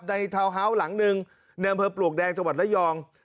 ในทาวน์ฮาวหลังหนึ่งในเวอร์พลวกแดงจังหวัดระยอง